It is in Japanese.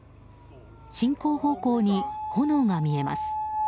進行方向に炎が見えます。